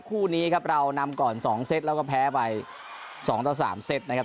คู่นี้ครับเรานำก่อน๒เซตแล้วก็แพ้ไป๒ต่อ๓เซตนะครับ